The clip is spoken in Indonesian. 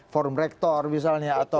forum rektor misalnya atau